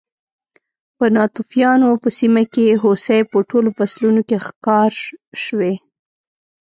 په ناتوفیانو په سیمه کې هوسۍ په ټولو فصلونو کې ښکار شوې